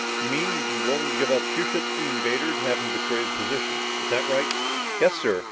"You mean, you'd be willing to give up two ships to the invader to have him betray his position. Is that right?" "Yes, sir.